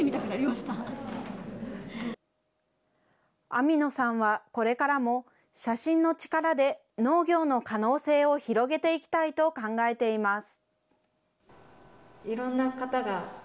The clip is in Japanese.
網野さんはこれからも写真の力で農業の可能性を広げていきたいと考えています。